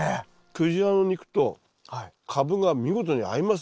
クジラの肉とカブが見事に合いますね。